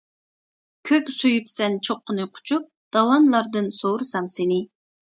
كۆك سۆيۈپسەن چوققىنى قۇچۇپ، داۋانلاردىن سورىسام سېنى.